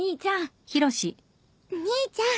兄ちゃん。